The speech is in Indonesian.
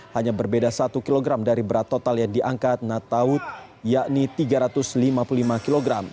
hanya berbeda satu kg dari berat total yang diangkat natawut yakni tiga ratus lima puluh lima kg